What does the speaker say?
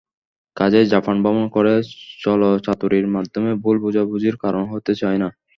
কাজেই জাপান ভ্রমণ করে ছলচাতুরীর মাধ্যমে ভুল বোঝাবুঝির কারণ হতে চাই না।